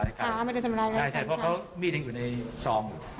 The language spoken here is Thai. อายุเจอเหยียบอย่างก็อยู่นั่นแหละ